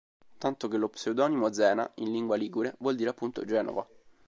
Tanto che lo pseudonimo Zena, in lingua ligure, vuol dire appunto “Genova”.